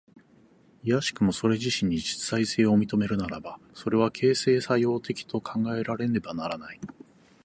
いやしくもそれ自身に実在性を認めるならば、それは形成作用的と考えられねばならない。